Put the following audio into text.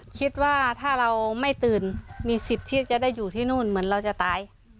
คิดว่าถ้าเราไม่ตื่นมีสิทธิ์ที่จะได้อยู่ที่นู่นเหมือนเราจะตาย